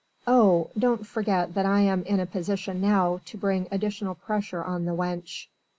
"Oh! don't forget that I am in a position now to bring additional pressure on the wench.